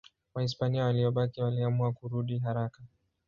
Wahispania waliobaki waliamua kurudi haraka.